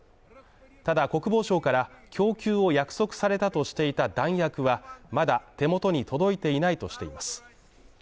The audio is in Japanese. ただ国防省から供給を約束されたとしていた弾薬はまだ手元に届いていないとしています。